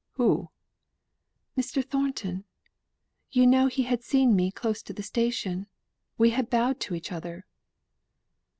"Who?" "Mr. Thornton. You know he had seen me close to the station; we had bowed to each other."